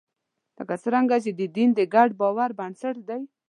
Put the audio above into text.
لکه څنګه چې دین د ګډ باور بنسټ دی.